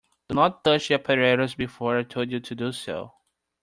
Do not touch the apparatus before I told you to do so.